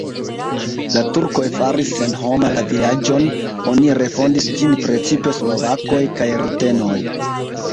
La turkoj faris senhoma la vilaĝon, oni refondis ĝin precipe slovakoj kaj rutenoj.